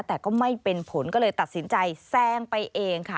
แต่ก็ไม่เป็นผลก็เลยตัดสินใจแซงไปเองค่ะ